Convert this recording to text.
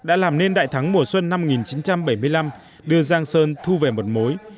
đã làm nên đại thắng mùa xuân năm một nghìn chín trăm bảy mươi năm đưa giang sơn thu về một mối